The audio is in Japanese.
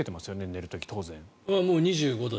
寝る時に当然。